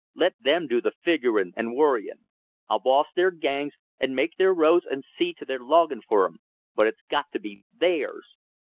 Let them do the figuring and worrying. I'll boss their gangs and make their roads and see to their logging for 'em, but it's got to be THEIRS.